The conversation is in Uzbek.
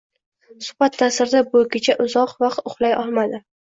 Suxbat ta'sirida bu kecha uzoq vaqt uxlay olmadi.